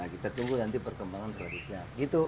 kita tunggu nanti perkembangan selanjutnya